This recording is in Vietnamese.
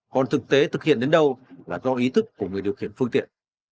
còn thực tế thực hiện đến đâu là do ý thức của người điều khiển phương tiện